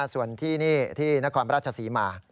ส่วนที่นี่ที่นครราชศรีมา